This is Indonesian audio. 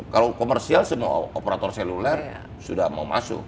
kalau komersial semua operator seluler sudah mau masuk